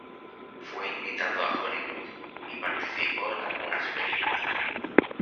Fue invitado a Hollywood y participó en algunas películas.